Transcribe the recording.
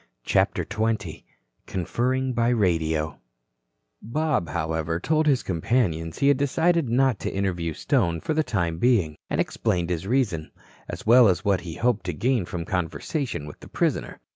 CHAPTER XX CONFERRING BY RADIO Bob, however, told his companions he had decided not to interview Stone for the time being, and explained his reason, as well as what he hoped to gain from conversation with the prisoner.